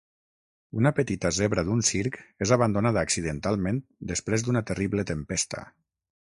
Una petita zebra d'un circ és abandonada accidentalment després d'una terrible tempesta.